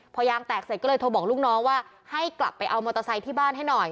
พอยางแตกเสร็จก็เลยโทรบอกลูกน้องว่าให้กลับไปเอามอเตอร์ไซค์ที่บ้านให้หน่อย